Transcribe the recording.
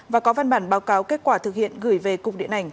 và có văn bản báo cáo kết quả thực hiện gửi về cục điện ảnh